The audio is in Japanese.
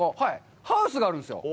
ハウスがあるんですよ。